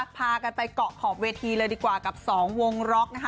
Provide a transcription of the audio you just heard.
พากันไปเกาะขอบเวทีเลยดีกว่ากับสองวงล็อกนะคะ